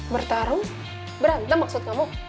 bertarung berantem maksud kamu